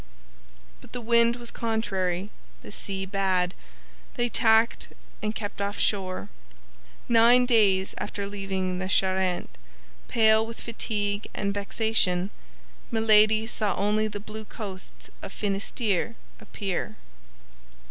But the wind was contrary, the sea bad; they tacked and kept offshore. Nine days after leaving the Charente, pale with fatigue and vexation, Milady saw only the blue coasts of Finisterre appear.